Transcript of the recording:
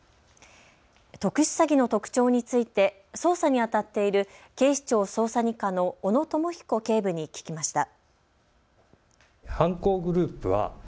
特殊詐欺の特徴について捜査にあたっている警視庁捜査２課の小野知彦警部に聞きました。